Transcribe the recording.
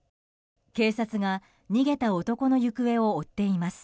警察が逃げた男の行方を追っています。